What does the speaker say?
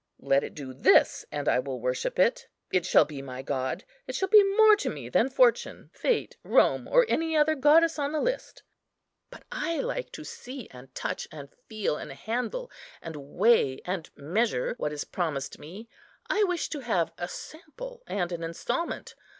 Let it do this, and I will worship it; it shall be my god; it shall be more to me than Fortune, Fate, Rome, or any other goddess on the list. But I like to see, and touch, and feel, and handle, and weigh, and measure what is promised me. I wish to have a sample and an instalment.